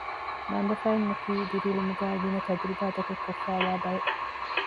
މައިންބަފައިންނަކީ ދިރިއުޅުމުގައި ގިނަ ތަޖުރިބާތަކެއް ކޮށްފައިވާ ބައެއް